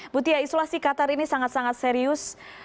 mutia isolasi qatar ini sangat sangat serius